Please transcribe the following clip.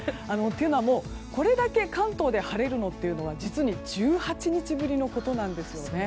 というのは、これだけ関東で晴れるのは実に１８日ぶりのことなんです。